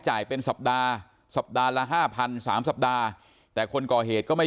จ่ายเป็นสัปดาห์สัปดาห์ละห้าพันสามสัปดาห์แต่คนก่อเหตุก็ไม่